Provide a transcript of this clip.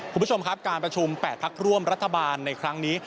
คุณผู้ชมครับการประชุม๘พักร่วมรัฐบาลในครั้งนี้